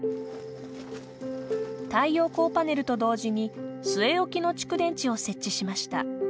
太陽光パネルと同時に据え置きの蓄電池を設置しました。